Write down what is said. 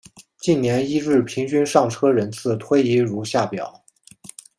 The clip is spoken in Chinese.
近年一日平均上车人次推移如下表。